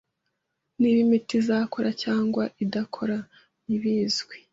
Niba imiti izakora cyangwa idakora ntibizwi.